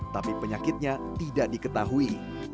tapi penyakitnya tidak diketahui